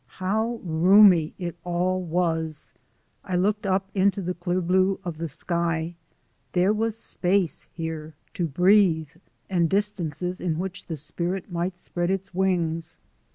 How roomy it all was! I looked up into the clear blue of the sky. There was space here to breathe, and distances in which the spirit might spread its wings.